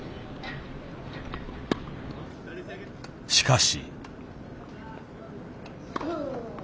しかし。